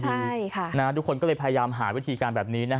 ทุกคนก็พยายามหาวิธีการแบบนี้